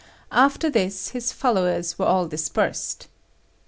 After this his followers were all dispersed.